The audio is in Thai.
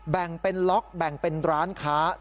แบ่งเป็นล็อกแบ่งเป็นร้านค้า